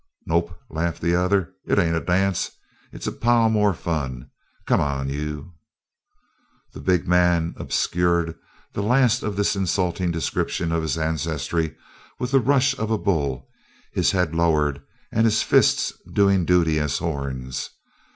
"Nope," laughed the other. "It ain't a dance. It's a pile more fun. Come on you " The big man obscured the last of the insulting description of his ancestry with the rush of a bull, his head lowered and his fists doing duty as horns.